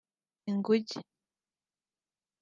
inguge